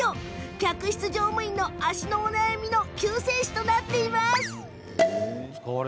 客室乗務員の足のお悩みの救世主となっています。